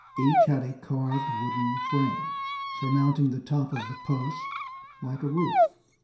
Each had a carved wooden frame, surmounting the top of the posts like a roof.